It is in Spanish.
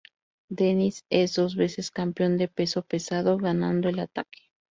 Dennis es dos veces campeón de peso pesado, ¡ganando el Ataque!